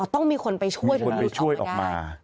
อ๋อต้องมีคนไปช่วยหรือหลุดออกมาได้